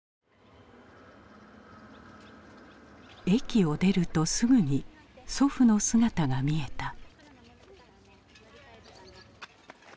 駅を出るとすぐに祖父の姿が見えた。